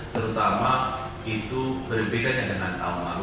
terutama itu berbedanya dengan tahun lalu